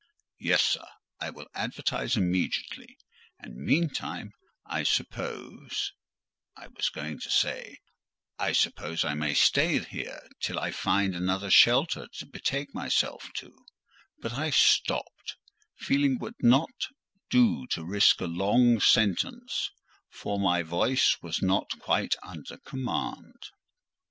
"Yes, sir, I will advertise immediately: and meantime, I suppose—" I was going to say, "I suppose I may stay here, till I find another shelter to betake myself to:" but I stopped, feeling it would not do to risk a long sentence, for my voice was not quite under command.